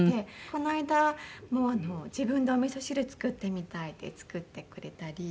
この間も自分でおみそ汁作ってみたいって作ってくれたり。